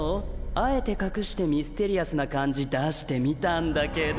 あえて隠してミステリアスな感じ出してみたんだけど？